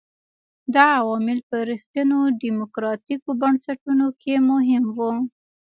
دا عوامل په رښتینو ډیموکراټیکو بنسټونو کې مهم وو.